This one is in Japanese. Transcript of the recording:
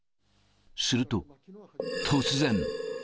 すると突然。